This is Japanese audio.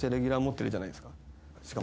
しかも。